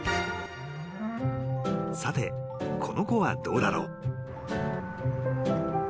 ［さてこの子はどうだろう？］